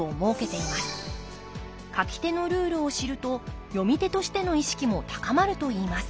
書き手のルールを知ると読み手としての意識も高まるといいます